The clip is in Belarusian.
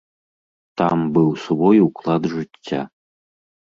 Там быў свой уклад жыцця.